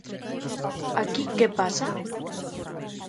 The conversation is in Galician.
Aquí ¿que pasa?